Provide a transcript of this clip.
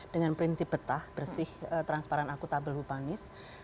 dengan prinsip betah bersih transparan akutabel humanis